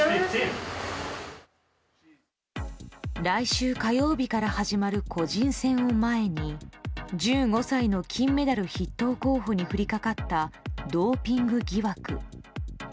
来週火曜日から始まる個人戦を前に１５歳の金メダル筆頭候補に降りかかったドーピング疑惑。